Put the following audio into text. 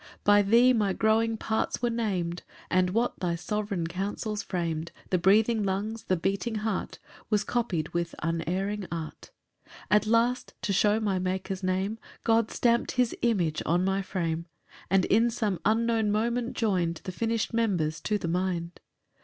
3 By thee my growing parts were nam'd, And what thy sovereign counsels fram'd, (The breathing lungs, the beating heart) Was copy'd with unerring art. 4 At last, to shew my Maker's name, God stamp'd his image on my frame, And in some unknown moment join'd The finish'd members to the mind.